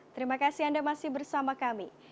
terima kasih anda masih bersama kami